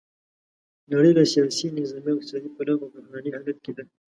نړۍ له سیاسي، نظامي او اقتصادي پلوه په بحراني حالت کې ده.